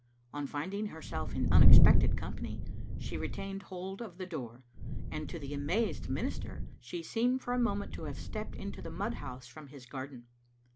On finding herself in unexpected company she retained hold of the door, and to the amazed minister she seemed for a moment to have stepped into the mud house from his garden.